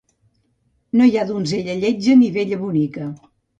No hi ha donzella lletja ni vella bonica.